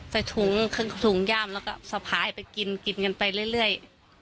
ใส่ถุงถุงย่ามแล้วก็สะพายไปกินกินกันไปเรื่อย